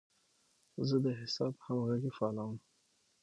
زه د حساب همغږي فعالوم.